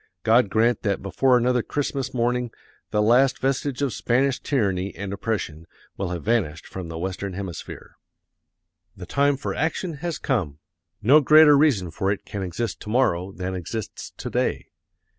God grant that before another Christmas morning the last vestige of Spanish tyranny and oppression will have vanished from the Western Hemisphere!... The time for action has come. No greater reason for it can exist to morrow than exists to day.